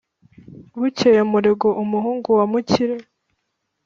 bukeye muligo, umuhungu wa mukire